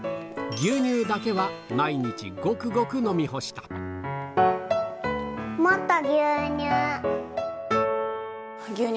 牛乳だけは毎日ごくごく飲みもっと牛乳。